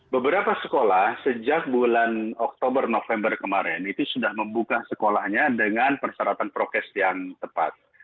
beberapa sekolah sejak bulan oktober november kemarin itu sudah membuka sekolahnya dengan persyaratan prokes yang tepat